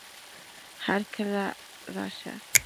هرکله راشه